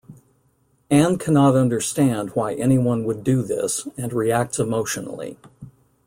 Ann cannot understand why anyone would do this and reacts emotionally.